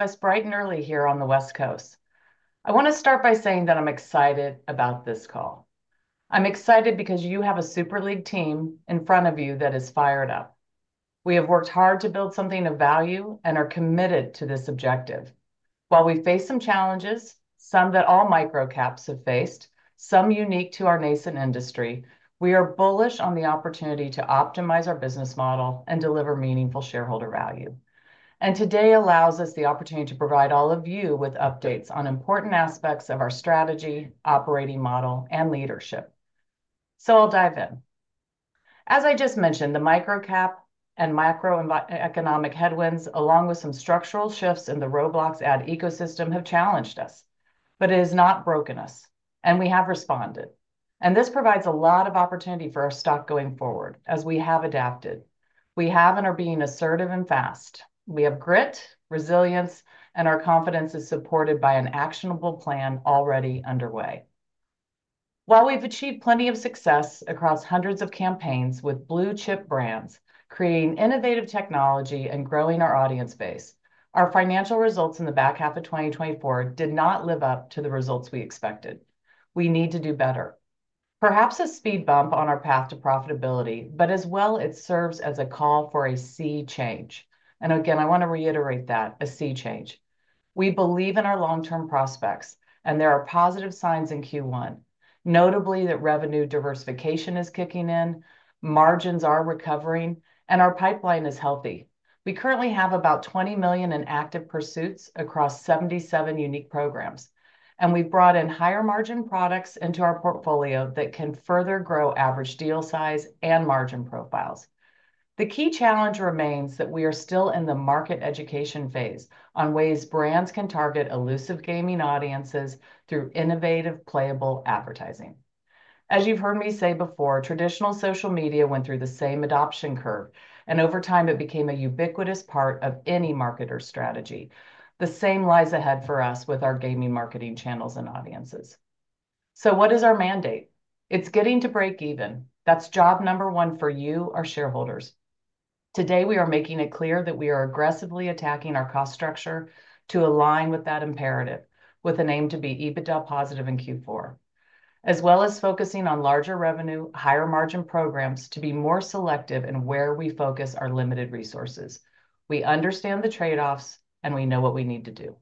It's bright and early here on the West Coast. I want to start by saying that I'm excited about this call. I'm excited because you have a Super League team in front of you that is fired up. We have worked hard to build something of value and are committed to this objective. While we face some challenges, some that all microcaps have faced, some unique to our nascent industry, we are bullish on the opportunity to optimize our business model and deliver meaningful shareholder value. Today allows us the opportunity to provide all of you with updates on important aspects of our strategy, operating model, and leadership. I'll dive in. As I just mentioned, the microcap and macroeconomic headwinds, along with some structural shifts in the Roblox ad ecosystem, have challenged us, but it has not broken us, and we have responded. This provides a lot of opportunity for our stock going forward as we have adapted. We have and are being assertive and fast. We have grit, resilience, and our confidence is supported by an actionable plan already underway. While we've achieved plenty of success across hundreds of campaigns with blue-chip brands, creating innovative technology, and growing our audience base, our financial results in the back half of 2024 did not live up to the results we expected. We need to do better. Perhaps a speed bump on our path to profitability, but as well, it serves as a call for a sea change. I want to reiterate that, a sea change. We believe in our long-term prospects, and there are positive signs in Q1, notably that revenue diversification is kicking in, margins are recovering, and our pipeline is healthy. We currently have about $20 million in active pursuits across 77 unique programs, and we've brought in higher-margin products into our portfolio that can further grow average deal size and margin profiles. The key challenge remains that we are still in the market education phase on ways brands can target elusive gaming audiences through innovative playable advertising. As you've heard me say before, traditional social media went through the same adoption curve, and over time, it became a ubiquitous part of any marketer's strategy. The same lies ahead for us with our gaming marketing channels and audiences. What is our mandate? It's getting to break even. That's job number one for you, our shareholders. Today, we are making it clear that we are aggressively attacking our cost structure to align with that imperative with an aim to be EBITDA positive in Q4, as well as focusing on larger revenue, higher-margin programs to be more selective in where we focus our limited resources. We understand the trade-offs, and we know what we need to do.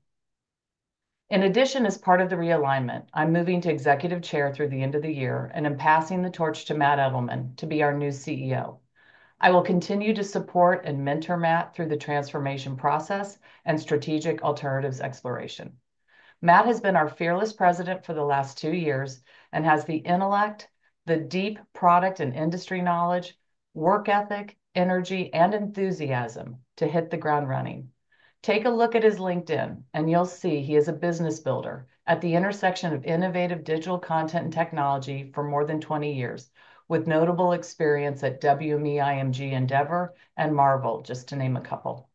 In addition, as part of the realignment, I'm moving to Executive Chair through the end of the year and am passing the torch to Matt Edelman to be our new CEO. I will continue to support and mentor Matt through the transformation process and strategic alternatives exploration. Matt has been our fearless President for the last two years and has the intellect, the deep product and industry knowledge, work ethic, energy, and enthusiasm to hit the ground running. Take a look at his LinkedIn, and you'll see he is a business builder at the intersection of innovative digital content and technology for more than 20 years, with notable experience at WME-IMG, Endeavor, and Marvel, just to name a couple.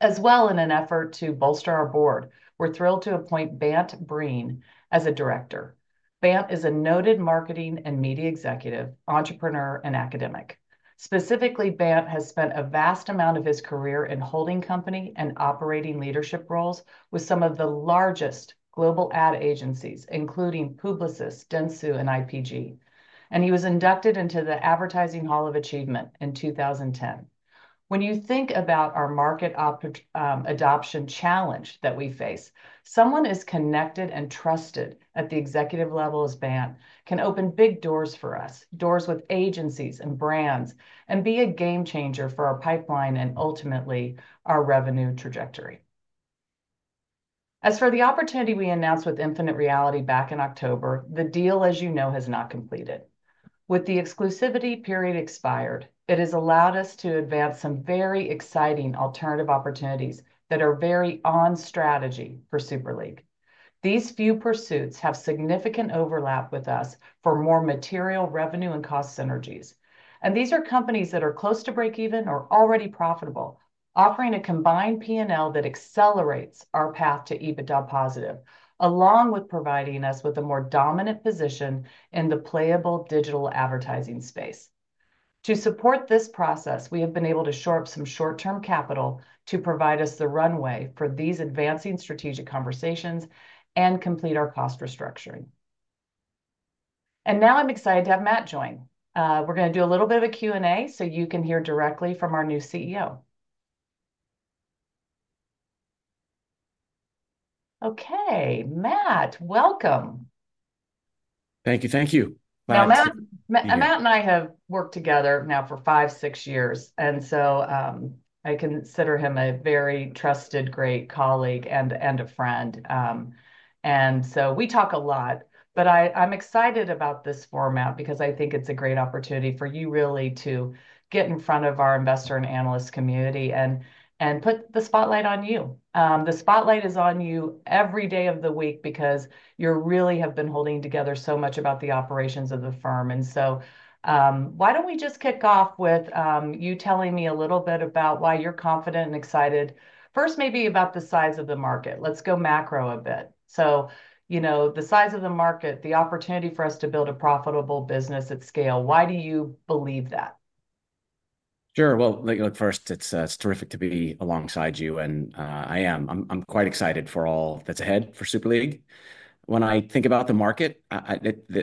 As well, in an effort to bolster our board, we're thrilled to appoint Bant Breen as a director. Bant is a noted marketing and media executive, entrepreneur, and academic. Specifically, Bant has spent a vast amount of his career in holding company and operating leadership roles with some of the largest global ad agencies, including Publicis, Dentsu, and IPG. He was inducted into the Advertising Hall of Achievement in 2010. When you think about our market adoption challenge that we face, someone as connected and trusted at the executive level as Bant can open big doors for us, doors with agencies and brands, and be a game changer for our pipeline and ultimately our revenue trajectory. As for the opportunity we announced with Infinite Reality back in October, the deal, as you know, has not completed. With the exclusivity period expired, it has allowed us to advance some very exciting alternative opportunities that are very on strategy for Super League. These few pursuits have significant overlap with us for more material revenue and cost synergies. These are companies that are close to break even or already profitable, offering a combined P&L that accelerates our path to EBITDA positive, along with providing us with a more dominant position in the playable digital advertising space. To support this process, we have been able to shore up some short-term capital to provide us the runway for these advancing strategic conversations and complete our cost restructuring. I am excited to have Matt join. We are going to do a little bit of a Q&A so you can hear directly from our new CEO. Okay, Matt, welcome. Thank you. Thank you. Now, Matt and I have worked together now for five, six years, and so I consider him a very trusted, great colleague and a friend. I mean, we talk a lot, but I'm excited about this format because I think it's a great opportunity for you really to get in front of our investor and analyst community and put the spotlight on you. The spotlight is on you every day of the week because you really have been holding together so much about the operations of the firm. Why don't we just kick off with you telling me a little bit about why you're confident and excited? First, maybe about the size of the market. Let's go macro a bit. The size of the market, the opportunity for us to build a profitable business at scale, why do you believe that? Sure. First, it's terrific to be alongside you, and I am. I'm quite excited for all that's ahead for Super League. When I think about the market,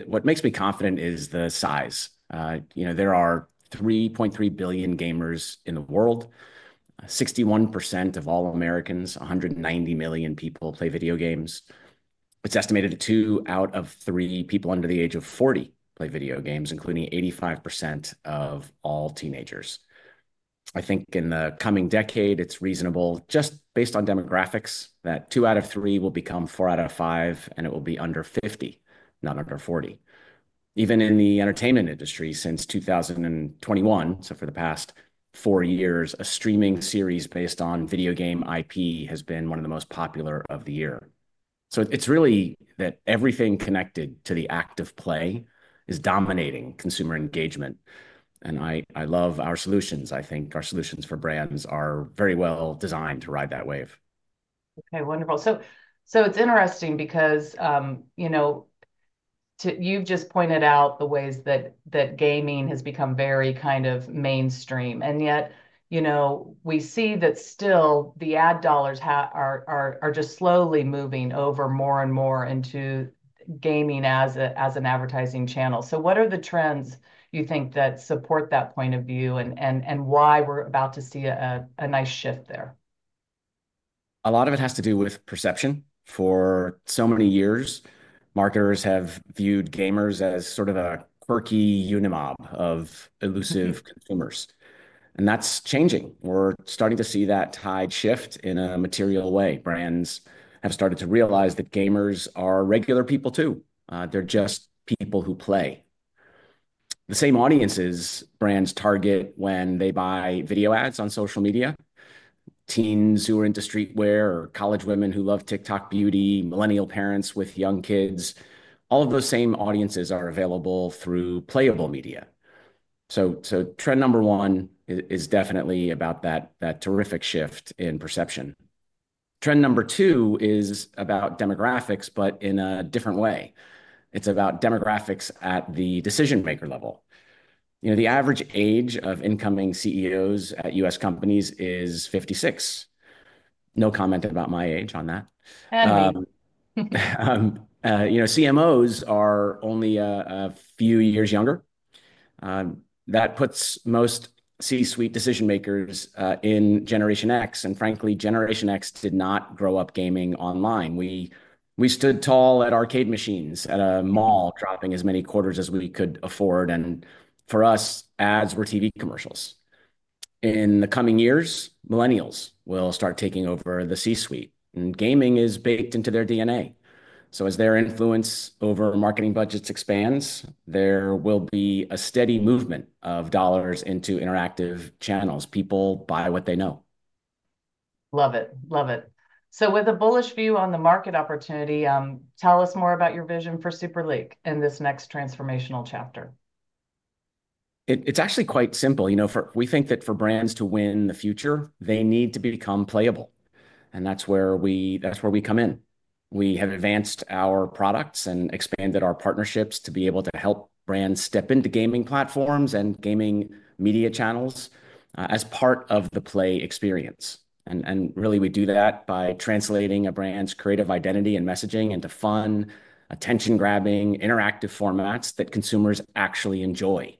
what makes me confident is the size. There are 3.3 billion gamers in the world. 61% of all Americans, 190 million people, play video games. It's estimated that two out of three people under the age of 40 play video games, including 85% of all teenagers. I think in the coming decade, it's reasonable, just based on demographics, that two out of three will become four out of five, and it will be under 50, not under 40. Even in the entertainment industry since 2021, so for the past four years, a streaming series based on video game IP has been one of the most popular of the year. It is really that everything connected to the act of play is dominating consumer engagement. I love our solutions. I think our solutions for brands are very well designed to ride that wave. Okay, wonderful. It's interesting because you've just pointed out the ways that gaming has become very kind of mainstream. Yet, we see that still the ad dollars are just slowly moving over more and more into gaming as an advertising channel. What are the trends you think that support that point of view and why we're about to see a nice shift there? A lot of it has to do with perception. For so many years, marketers have viewed gamers as sort of a quirky enigma of elusive consumers. That is changing. We're starting to see that tide shift in a material way. Brands have started to realize that gamers are regular people too. They're just people who play. The same audiences brands target when they buy video ads on social media. Teens who are into streetwear or college women who love TikTok beauty, Millennial parents with young kids, all of those same audiences are available through playable media. Trend number one is definitely about that terrific shift in perception. Trend number two is about demographics, but in a different way. It's about demographics at the decision-maker level. The average age of incoming CEOs at U.S. companies is 56. No comment about my age on that. CMOs are only a few years younger. That puts most C-suite decision-makers in Generation X. Frankly, Generation X did not grow up gaming online. We stood tall at arcade machines, at a mall, dropping as many quarters as we could afford. For us, ads were TV commercials. In the coming years, Millennials will start taking over the C-suite. Gaming is baked into their DNA. As their influence over marketing budgets expands, there will be a steady movement of dollars into interactive channels. People buy what they know. Love it. Love it. With a bullish view on the market opportunity, tell us more about your vision for Super League in this next transformational chapter. It's actually quite simple. We think that for brands to win the future, they need to become playable. That is where we come in. We have advanced our products and expanded our partnerships to be able to help brands step into gaming platforms and gaming media channels as part of the play experience. Really, we do that by translating a brand's creative identity and messaging into fun, attention-grabbing, interactive formats that consumers actually enjoy.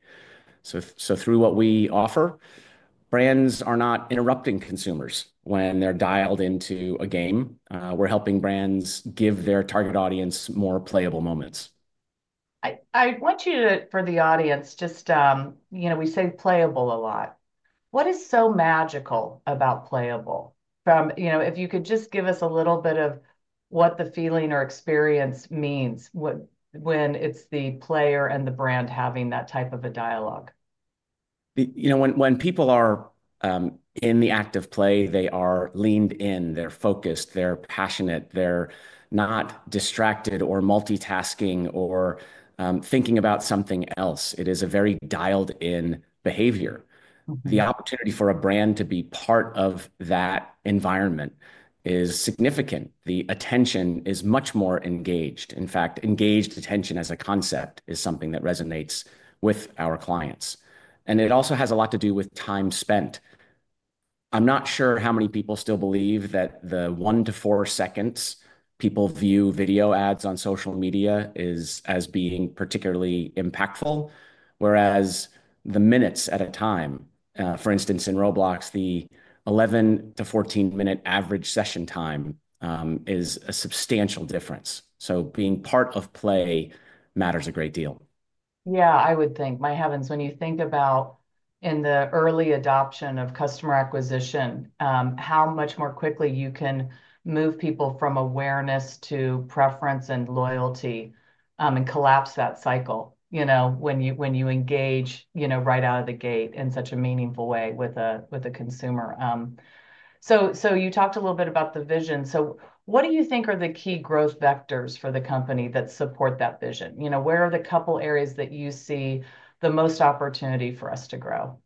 Through what we offer, brands are not interrupting consumers when they're dialed into a game. We're helping brands give their target audience more playable moments. I want you to, for the audience, just we say playable a lot. What is so magical about playable? If you could just give us a little bit of what the feeling or experience means when it's the player and the brand having that type of a dialogue. When people are in the act of play, they are leaned in, they're focused, they're passionate, they're not distracted or multitasking or thinking about something else. It is a very dialed-in behavior. The opportunity for a brand to be part of that environment is significant. The attention is much more engaged. In fact, engaged attention as a concept is something that resonates with our clients. It also has a lot to do with time spent. I'm not sure how many people still believe that the one to four seconds people view video ads on social media is as being particularly impactful, whereas the minutes at a time, for instance, in Roblox, the 11-14 minute average session time is a substantial difference. Being part of play matters a great deal. Yeah, I would think. My heavens, when you think about in the early adoption of customer acquisition, how much more quickly you can move people from awareness to preference and loyalty and collapse that cycle when you engage right out of the gate in such a meaningful way with a consumer. You talked a little bit about the vision. What do you think are the key growth vectors for the company that support that vision? Where are the couple areas that you see the most opportunity for us to grow?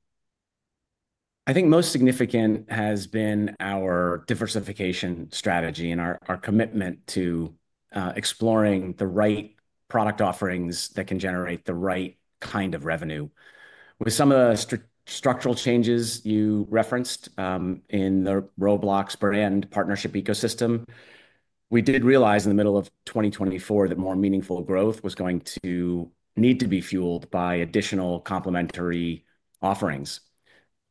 I think most significant has been our diversification strategy and our commitment to exploring the right product offerings that can generate the right kind of revenue. With some of the structural changes you referenced in the Roblox brand partnership ecosystem, we did realize in the middle of 2024 that more meaningful growth was going to need to be fueled by additional complementary offerings.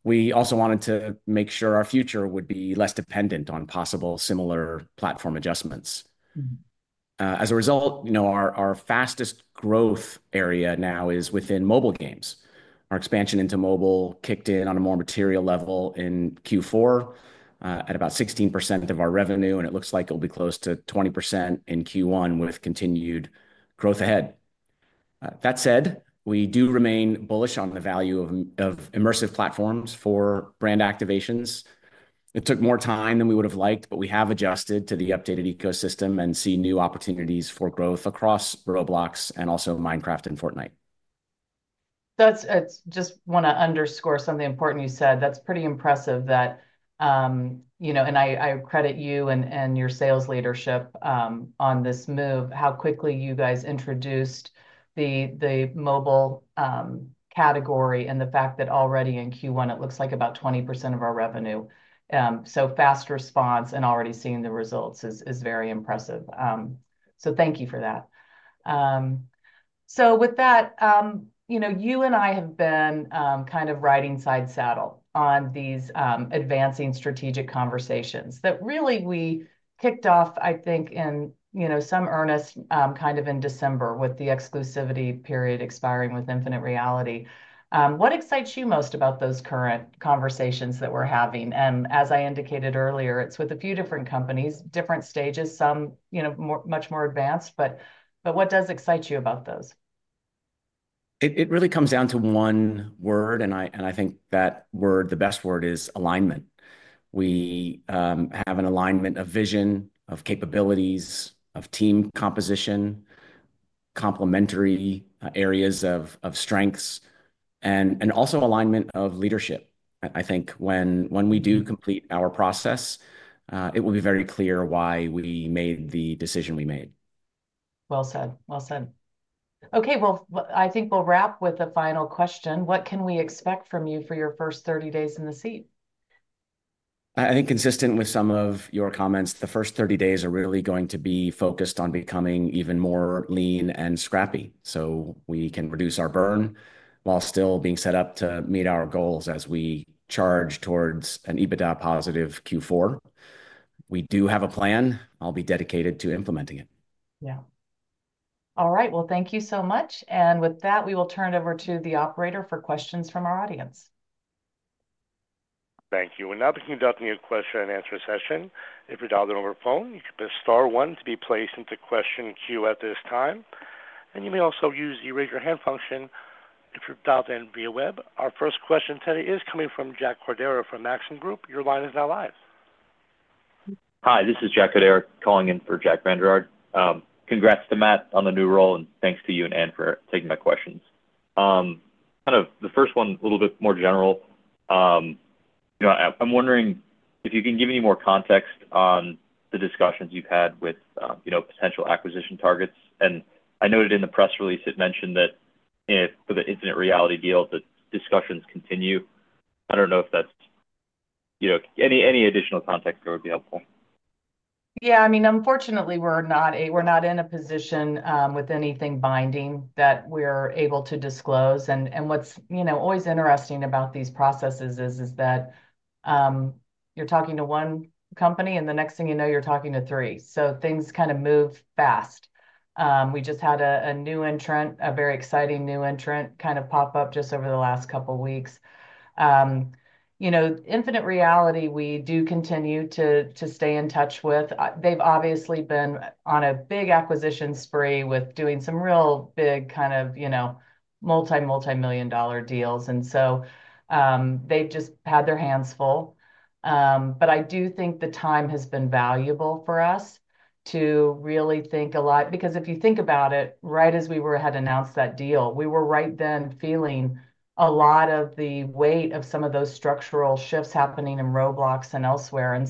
We also wanted to make sure our future would be less dependent on possible similar platform adjustments. As a result, our fastest growth area now is within mobile games. Our expansion into mobile kicked in on a more material level in Q4 at about 16% of our revenue, and it looks like it'll be close to 20% in Q1 with continued growth ahead. That said, we do remain bullish on the value of immersive platforms for brand activations. It took more time than we would have liked, but we have adjusted to the updated ecosystem and see new opportunities for growth across Roblox and also Minecraft and Fortnite. Just want to underscore something important you said. That's pretty impressive that, and I credit you and your sales leadership on this move, how quickly you guys introduced the mobile category and the fact that already in Q1, it looks like about 20% of our revenue. Fast response and already seeing the results is very impressive. Thank you for that. With that, you and I have been kind of riding side saddle on these advancing strategic conversations that really we kicked off, I think, in some earnest kind of in December with the exclusivity period expiring with Infinite Reality. What excites you most about those current conversations that we're having? As I indicated earlier, it's with a few different companies, different stages, some much more advanced. What does excite you about those? It really comes down to one word, and I think that word, the best word, is alignment. We have an alignment of vision, of capabilities, of team composition, complementary areas of strengths, and also alignment of leadership. I think when we do complete our process, it will be very clear why we made the decision we made. Well said. Well said. Okay, I think we'll wrap with a final question. What can we expect from you for your first 30 days in the seat? I think consistent with some of your comments, the first 30 days are really going to be focused on becoming even more lean and scrappy so we can reduce our burn while still being set up to meet our goals as we charge towards an EBITDA positive Q4. We do have a plan. I'll be dedicated to implementing it. All right. Thank you so much. With that, we will turn it over to the operator for questions from our audience. Thank you. Now begin the question and answer session. If you're dialed in over the phone, you can press star one to be placed into question queue at this time. You may also use the raise your hand function if you're dialed in via web. Our first question today is coming from Jack Codera from Maxim Group. Your line is now live. Hi, this is Jack Codera calling in for Jack Vander Aarde. Congrats to Matt on the new role, and thanks to you and Ann for taking my questions. Kind of the first one, a little bit more general. I'm wondering if you can give any more context on the discussions you've had with potential acquisition targets. I noted in the press release, it mentioned that for the Infinite Reality deal, the discussions continue. I don't know if that's any additional context that would be helpful. Yeah. I mean, unfortunately, we're not in a position with anything binding that we're able to disclose. What's always interesting about these processes is that you're talking to one company, and the next thing you know, you're talking to three. Things kind of move fast. We just had a very exciting new entrant kind of pop up just over the last couple of weeks. Infinite Reality, we do continue to stay in touch with. They've obviously been on a big acquisition spree with doing some real big kind of multi, multi-million dollar deals. They've just had their hands full. I do think the time has been valuable for us to really think a lot. Because if you think about it, right as we had announced that deal, we were right then feeling a lot of the weight of some of those structural shifts happening in Roblox and elsewhere.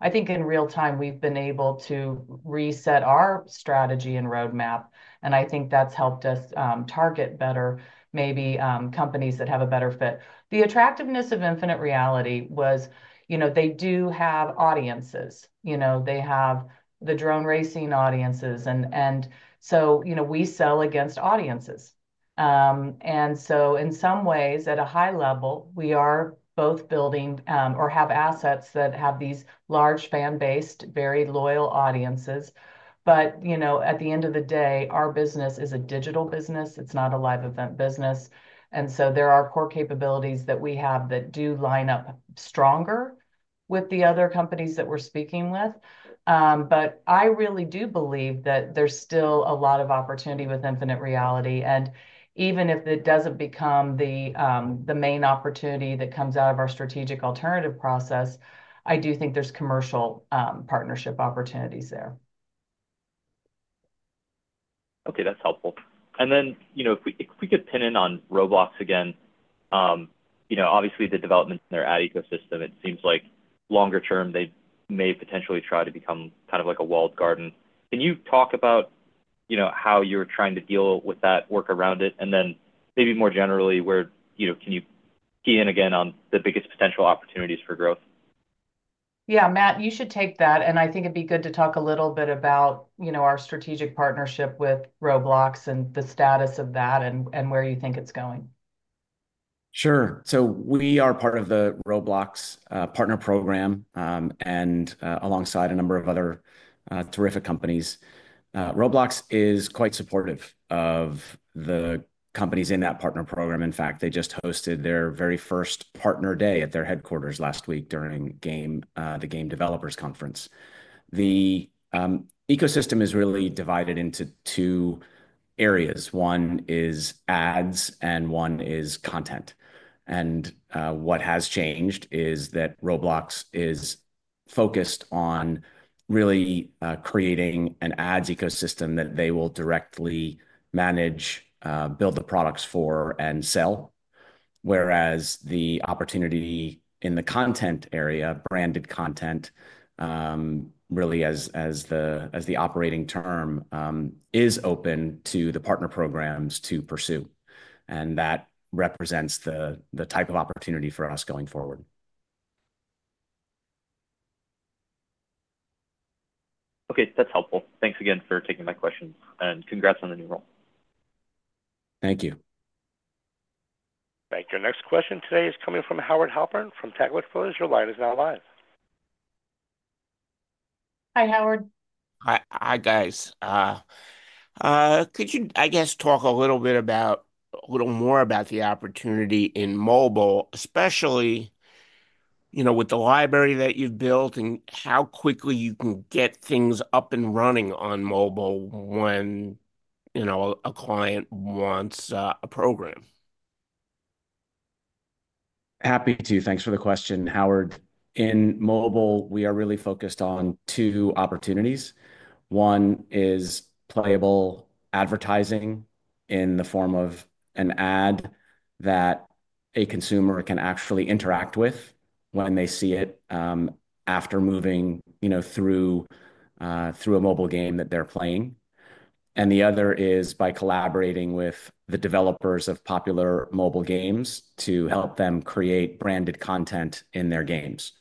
I think in real time, we've been able to reset our strategy and roadmap. I think that's helped us target better maybe companies that have a better fit. The attractiveness of Infinite Reality was they do have audiences. They have the drone racing audiences. We sell against audiences. In some ways, at a high level, we are both building or have assets that have these large fan-based, very loyal audiences. At the end of the day, our business is a digital business. It's not a live event business. There are core capabilities that we have that do line up stronger with the other companies that we're speaking with. I really do believe that there's still a lot of opportunity with Infinite Reality. Even if it doesn't become the main opportunity that comes out of our strategic alternative process, I do think there's commercial partnership opportunities there. Okay, that's helpful. If we could pin in on Roblox again, obviously the development in their ad ecosystem, it seems like longer term, they may potentially try to become kind of like a walled garden. Can you talk about how you're trying to deal with that, work around it, and then maybe more generally, can you key in again on the biggest potential opportunities for growth? Yeah, Matt, you should take that. I think it'd be good to talk a little bit about our strategic partnership with Roblox and the status of that and where you think it's going. Sure. We are part of the Roblox Partner Program and alongside a number of other terrific companies. Roblox is quite supportive of the companies in that partner program. In fact, they just hosted their very first Partner Day at their headquarters last week during the Game Developers Conference. The ecosystem is really divided into two areas. One is ads and one is content. What has changed is that Roblox is focused on really creating an ads ecosystem that they will directly manage, build the products for, and sell. Whereas the opportunity in the content area, branded content, really as the operating term, is open to the partner programs to pursue. That represents the type of opportunity for us going forward. Okay, that's helpful. Thanks again for taking my questions. Congrats on the new role. Thank you. Thank you. Our next question today is coming from Howard Halpern from Taglich Brothers. Your line is now live. Hi, Howard. Hi, guys. Could you, I guess, talk a little bit about a little more about the opportunity in mobile, especially with the library that you've built and how quickly you can get things up and running on mobile when a client wants a program? Happy to. Thanks for the question, Howard. In mobile, we are really focused on two opportunities. One is playable advertising in the form of an ad that a consumer can actually interact with when they see it after moving through a mobile game that they're playing. The other is by collaborating with the developers of popular mobile games to help them create branded content in their games.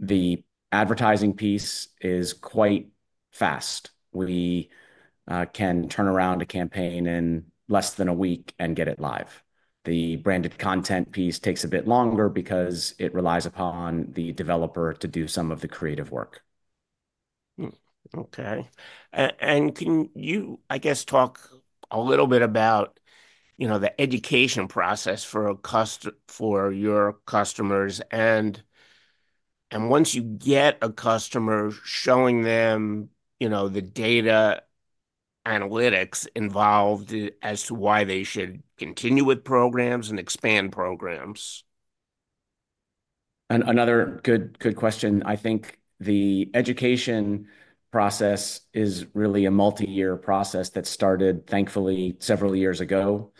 The advertising piece is quite fast. We can turn around a campaign in less than a week and get it live. The branded content piece takes a bit longer because it relies upon the developer to do some of the creative work. Okay. Can you, I guess, talk a little bit about the education process for your customers? Once you get a customer, showing them the data analytics involved as to why they should continue with programs and expand programs? Another good question. I think the education process is really a multi-year process that started, thankfully, several years ago.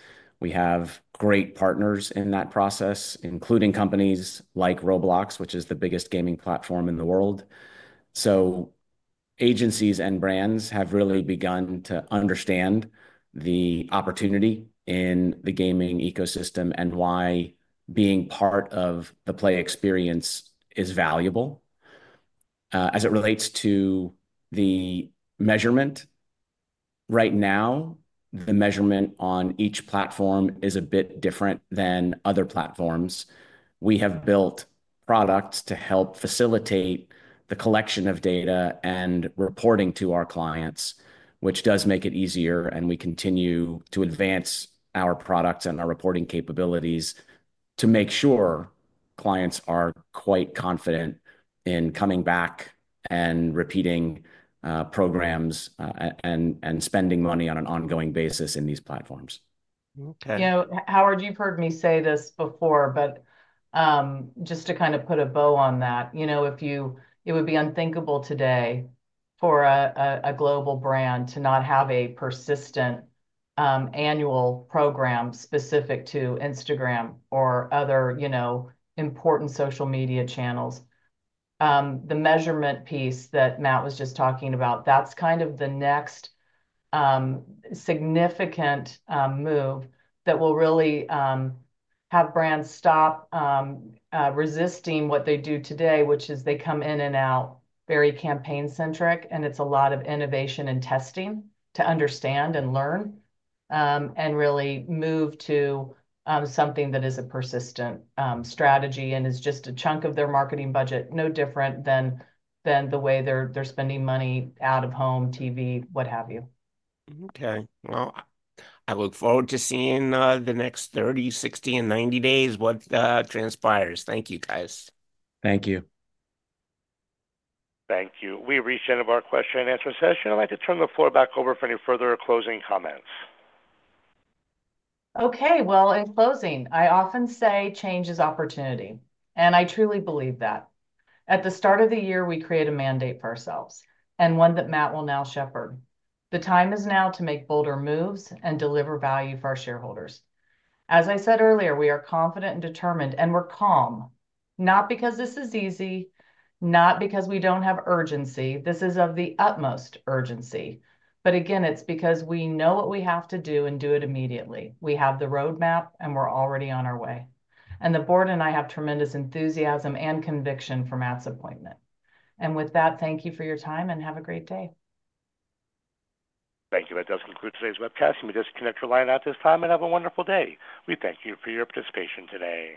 We have great partners in that process, including companies like Roblox, which is the biggest gaming platform in the world. Agencies and brands have really begun to understand the opportunity in the gaming ecosystem and why being part of the play experience is valuable. As it relates to the measurement, right now, the measurement on each platform is a bit different than other platforms. We have built products to help facilitate the collection of data and reporting to our clients, which does make it easier, and we continue to advance our products and our reporting capabilities to make sure clients are quite confident in coming back and repeating programs and spending money on an ongoing basis in these platforms. Yeah, Howard, you've heard me say this before, but just to kind of put a bow on that, it would be unthinkable today for a global brand to not have a persistent annual program specific to Instagram or other important social media channels. The measurement piece that Matt was just talking about, that's kind of the next significant move that will really have brands stop resisting what they do today, which is they come in and out very campaign-centric, and it's a lot of innovation and testing to understand and learn and really move to something that is a persistent strategy and is just a chunk of their marketing budget, no different than the way they're spending money out of home, TV, what have you. Okay. I look forward to seeing the next 30, 60, and 90 days what transpires. Thank you, guys. Thank you. Thank you. We reached the end of our question and answer session. I'd like to turn the floor back over for any further closing comments. Okay. In closing, I often say change is opportunity. I truly believe that. At the start of the year, we create a mandate for ourselves, and one that Matt will now shepherd. The time is now to make bolder moves and deliver value for our shareholders. As I said earlier, we are confident and determined, and we're calm, not because this is easy, not because we don't have urgency. This is of the utmost urgency. Again, it's because we know what we have to do and do it immediately. We have the roadmap, and we're already on our way. The board and I have tremendous enthusiasm and conviction for Matt's appointment. With that, thank you for your time and have a great day. Thank you. That does conclude today's webcast. You may disconnect your line at this time and have a wonderful day. We thank you for your participation today.